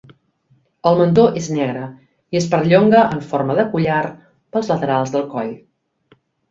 El mentó és negre i es perllonga en forma de collar pels laterals del coll.